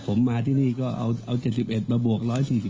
ผมมาที่นี่ก็เอา๗๑มาบวก๑๔